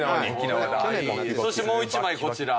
そしてもう１枚こちら。